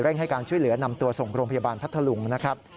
ให้การช่วยเหลือนำตัวส่งโรงพยาบาลพัทธลุงนะครับ